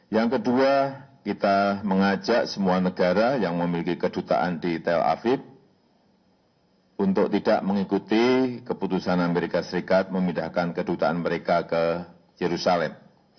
yang kedua kita mengajak semua negara yang memiliki kedutaan di tel aviv untuk tidak mengikuti keputusan amerika serikat memindahkan kedutaan mereka ke yerusalem